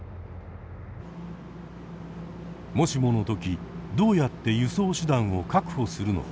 もしものときどうやって輸送手段を確保するのか。